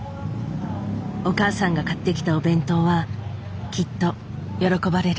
お母さんが買ってきたお弁当はきっと喜ばれる。